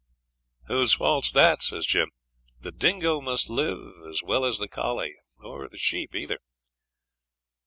'Whose fault's that?' says Jim. 'The dingo must live as well as the collie or the sheep either.